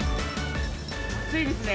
暑いですね。